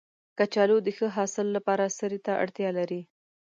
کچالو د ښه حاصل لپاره سرې ته اړتیا لري